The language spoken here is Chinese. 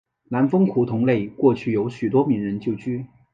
南丰胡同内过去有许多名人旧居。